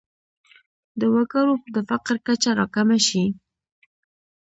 د وګړو د فقر کچه راکمه شي.